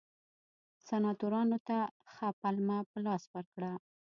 سناتورانو ته ښه پلمه په لاس ورکړه.